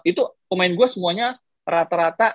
itu pemain gue semuanya rata rata